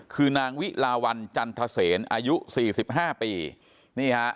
คือนางวิลาวัลจันทรเสนอายุ๔๕ปี